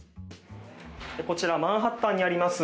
こちらマンハッタンにあります